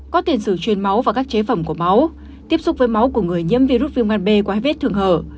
có tiền sử chuyên máu và các chế phẩm của máu tiếp xúc với máu của người nhiễm virus viêm gan b quá vết thường hở